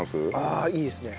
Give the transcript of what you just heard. ああいいですね。